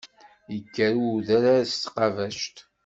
Ikker i udrar s tqabact.